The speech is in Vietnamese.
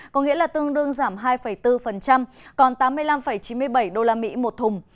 có nghĩa là tương đương giảm hai bốn còn tám mươi năm chín mươi bảy usd một thùng